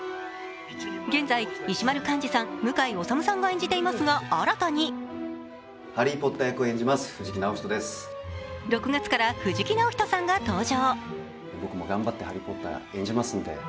現在、石丸幹二さん、向井理さんが演じていますが新たに６月から藤木直人さんが登場。